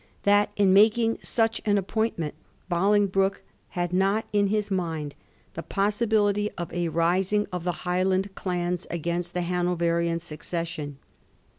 that in making such an appointment Bolingbroke had not in his mind the possibility of a rising of the Highland clans against the Hanoverian succession.